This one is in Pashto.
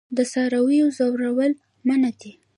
د څارویو ځورول منع دي.